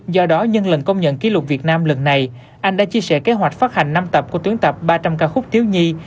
do đó nhân lần công nhận kỷ lục việt nam lần này anh đã chia sẻ kế hoạch phát hành năm tập của tuyến tập ba trăm linh ca khúc thiếu nhi